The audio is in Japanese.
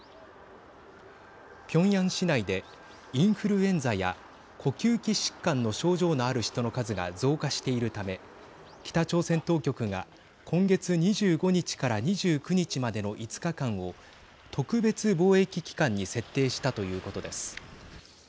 ピョンヤン市内でインフルエンザや呼吸器疾患の症状のある人の数が増加しているため北朝鮮当局が今月２５日から２９日までの５日間を特別防疫期間に設定したということです。